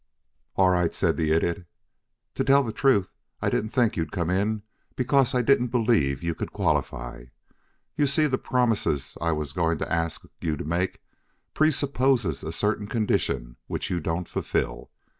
"All right," said the Idiot. "To tell the truth, I didn't think you'd come in because I didn't believe you could qualify. You see, the promise I was going to ask you to make presupposes a certain condition which you don't fulfil.